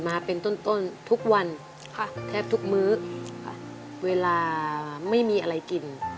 มาเป็นต้นทุกวันค่ะแทบทุกมื้อค่ะเวลาไม่มีอะไรกิน